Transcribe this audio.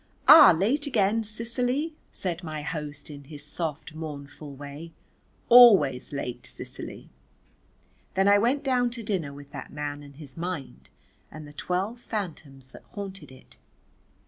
"Ah, late again, Cicely," said my host in his soft, mournful way. "Always late, Cicely." Then I went down to dinner with that man and his mind and the twelve phantoms that haunted it.